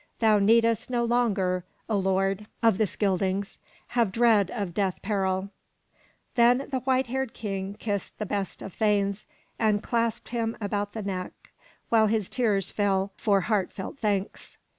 Thou needest no ^ ^^x^ longer, O lord of the Scyldings, have dread /^^ of death peril T' Then the white L.. y haired King kissed the best of thanes and /^ X/^c^ ) ^l^^ped him about the neck, while his tears fell ( j^^^a\— .^^^ heart felt thanks.